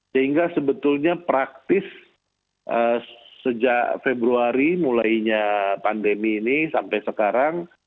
sehingga sebetulnya praktis sejak februari mulainya pandemi ini sampai sekarang